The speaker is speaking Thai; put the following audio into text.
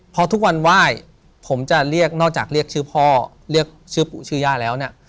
พอทุกวันไหว้ผมจะเรียกนอกจากเรียกชื่อพ่อเรียกชื่อปู่ชื่อย่าแล้วเนี่ย